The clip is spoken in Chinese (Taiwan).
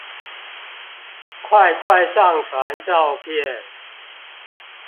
快快上傳照片